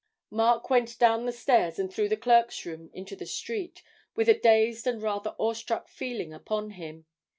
Mark went down the stairs and through the clerks' room into the street, with a dazed and rather awestruck feeling upon him.